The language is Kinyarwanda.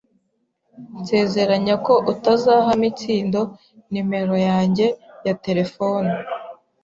Nsezeranya ko utazaha Mitsindo numero yanjye ya terefone.